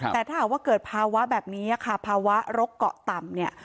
แต่ถ้าหากว่าเกิดภาวะแบบนี้ค่ะภาวะโรคเกาะต่ำเนี่ย